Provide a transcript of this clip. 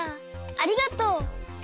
ありがとう。